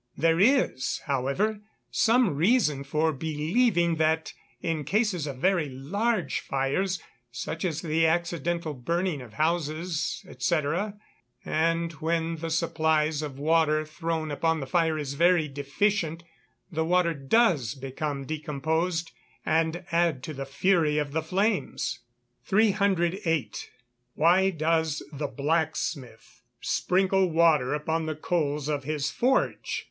There is, however, some reason for believing that, in cases of very large fires, such as the accidental burning of houses, &c., when the supply of water thrown upon the fire is very deficient, the water does become decomposed, and add to the fury of the flames. 308. _Why does the blacksmith sprinkle water upon the coals of his forge?